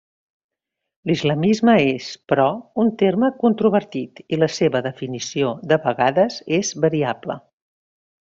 L'islamisme és, però, un terme controvertit i la seva definició de vegades és variable.